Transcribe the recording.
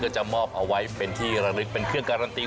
จะมอบเอาไว้เป็นที่ระลึกเป็นเครื่องการันตี